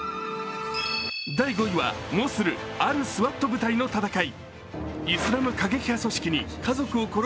第５位は「モスルあるＳＷＡＴ部隊の戦い」。